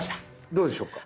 どうでしょうか。